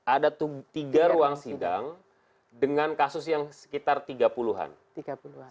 ada tiga ruang sidang dengan kasus yang sekitar tiga puluhan satu hari